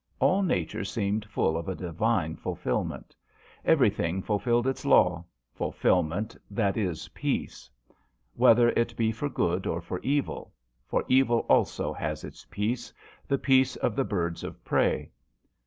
All nature seemed full of a Divine fulfil ment. Everything fulfilled its law fulfilment that is peace, whether it be for good or for evil, for evil also has its peace, the peace of the birds of prey.